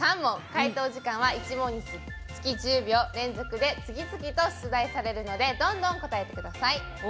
解答時間は１問につき１０秒、連続で次々と出題されるのでどんどん答えてください。